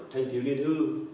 thanh thiếu nghiên hư